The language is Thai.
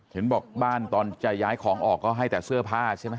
เห็นบอกบ้านตอนจะย้ายของออกก็ให้แต่เสื้อผ้าใช่ไหม